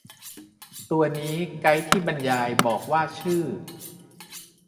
ตัวนี้ไกด์ที่บรรยายบอกว่าชื่อ